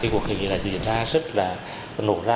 cuộc khởi nghĩa là diễn ra rất là nổ ra